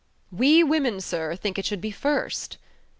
"We women, sir, think it should be first."